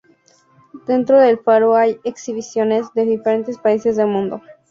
Dentro del faro hay exhibiciones de diferentes países del mundo.